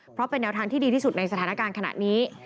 เพราะเป็นแนวทางที่ดีที่สุดในสถานการณ์ขณะนี้